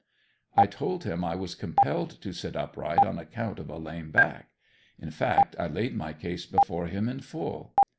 I told him I was compelled to sit upright on account of a lame back. In fact I laid my case before him in full.